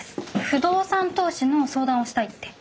不動産投資の相談をしたいって。